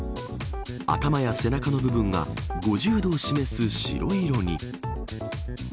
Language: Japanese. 頭や背中の部分が５０度を示す白色に。